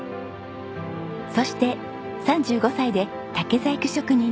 そして３５歳で竹細工職人として独立。